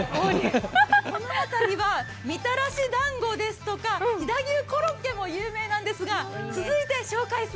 この辺りはみたらしだんごですとか飛騨牛コロッケも有名なんですが、続いて紹介する